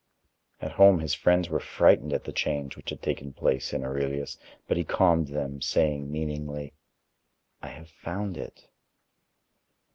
At home his friends were frightened at the change which had taken place in Aurelius, but he calmed them, saying meaningly: "I have found it."